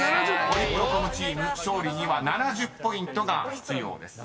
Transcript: ［ホリプロコムチーム勝利には７０ポイントが必要です］